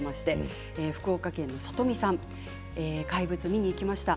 福岡県の方「怪物」、見に行きました。